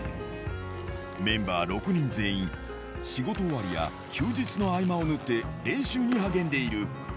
メンバー６人全員、仕事終わりや休日の合間を縫って練習に励んでいる。